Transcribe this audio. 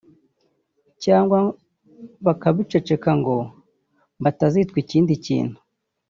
cyangwa bakabiceceka ngo batazitwa ikindi kintu